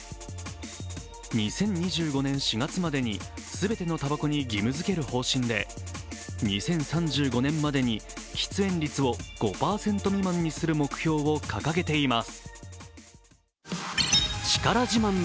２０２５年４月までに全てのたばこに義務づける方針で、２０３５年までに喫煙率を５％未満にする目標を掲げています。